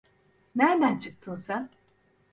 Nereden çıktın sen?